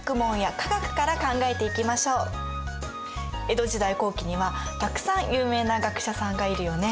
江戸時代後期にはたくさん有名な学者さんがいるよね？